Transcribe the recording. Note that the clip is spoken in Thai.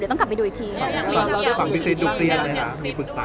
ฝั่งพี่คริสดูซึ้งเลยไหมก่อน